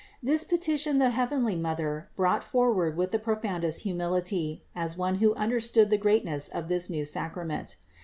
This petition the heavenly Mother brought forward with the pro foundest humility, as one who understood the greatness of this new sacrament.